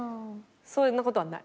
そんなことはない。